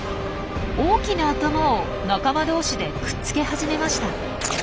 大きな頭を仲間同士でくっつけ始めました。